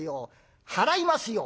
払いますよ！